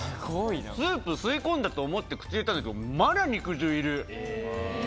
スープ吸い込んだと思って口入れたんだけどまだ肉汁いる。